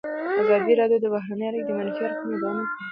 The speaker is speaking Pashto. ازادي راډیو د بهرنۍ اړیکې د منفي اړخونو یادونه کړې.